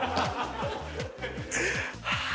ああ。